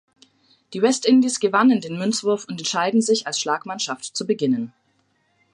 Die West Indies gewannen den Münzwurf und entscheiden sich als Schlagmannschaft zu beginnen.